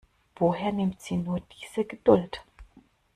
Woher nimmt sie nur diese Geduld?